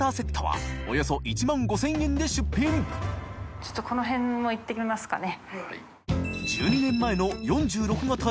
ちょっとこの辺もいってみますかね。